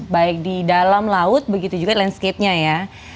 baik di dalam laut begitu juga landscape nya ya